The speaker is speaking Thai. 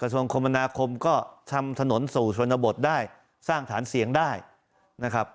ส่วนคมนาคมก็ทำถนนสู่ชนบทได้สร้างฐานเสียงได้นะครับ